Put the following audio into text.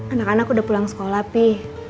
anak anak udah pulang sekolah pi